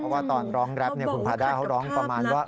เพราะว่าตอนร้องแรปคุณพาด้าเขาร้องประมาณว่า